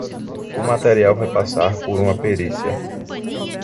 O material vai passar por uma perícia.